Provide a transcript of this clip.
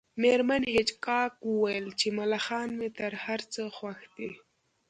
میرمن هیج هاګ وویل چې ملخان مې تر هر څه خوښ دي